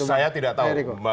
saya tidak tahu